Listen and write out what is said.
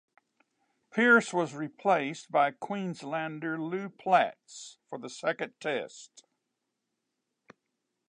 Pierce was replaced by Queenslander Lew Platz for the second Test.